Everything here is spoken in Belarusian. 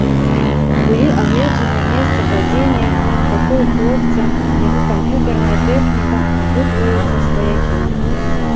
Былі агледжаны месца падзення, пакой хлопца, яго камп'ютарная тэхніка, апытваюцца сваякі.